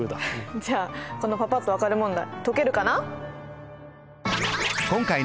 じゃあこのパパっと分かる問題解けるかな？